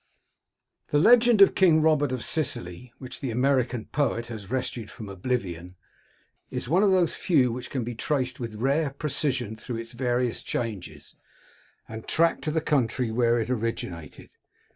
The legend of King Robert of Sicily, which the American poet has rescued from oblivion, is one of those few which can be traced with rare precision through its various changes, and tracked to the country where it originated.